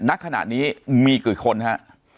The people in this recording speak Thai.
ณขณะนี้มีกี่คนฮะ